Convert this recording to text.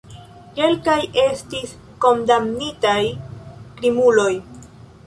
Kelkaj estis kondamnitaj krimuloj.